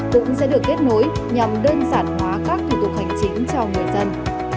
cũng sẽ được kết nối nhằm đơn giản hóa các thủ tục hành chính cho người dân